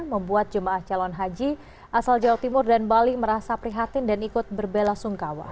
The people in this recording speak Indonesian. membuat jemaah calon haji asal jawa timur dan bali merasa prihatin dan ikut berbela sungkawa